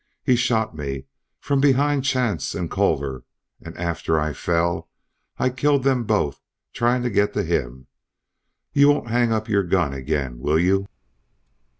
He shot me from behind Chance and Culver and after I fell I killed them both trying to get him. You won't hang up your gun again will you?"